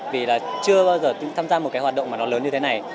vì là chưa bao giờ tham gia một cái hoạt động mà nó lớn như thế này